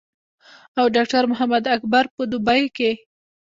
او ډاکټر محمد اکبر پۀ دوبۍ کښې